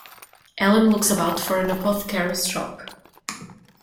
Allan looks about for an apothecary's shop.